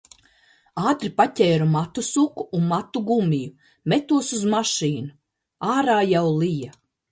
Ātri paķēru matu suku un matu gumiju, metos uz mašīnu. Ārā jau lija.